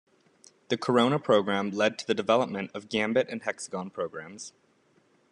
The Corona Program lead to the development of the Gambit and Hexagon programs.